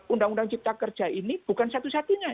undang undang cipta kerja ini bukan satu satunya